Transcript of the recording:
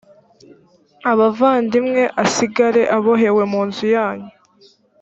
abavandimwe asigare abohewe mu nzu yanyu